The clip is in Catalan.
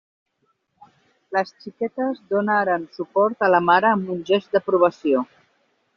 Les xiquetes donaren suport a la mare amb un gest d'aprovació.